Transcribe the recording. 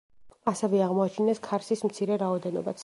ასევე აღმოაჩინეს ქარსის მცირე რაოდენობაც.